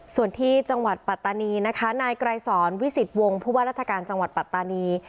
ส่วนที่จังหวัดปัตตานีนะคะนายไกรสอนวิสิตวงศ์ผู้ว่าราชการจังหวัดปัตตานี